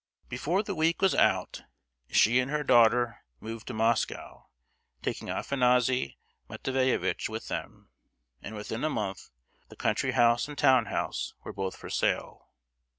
Before the week was out, she and her daughter moved to Moscow, taking Afanassy Matveyevitch with them; and, within a month, the country house and town house were both for sale.